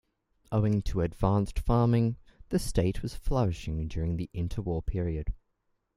Owing to advanced farming, the estate was flourishing during the interwar period.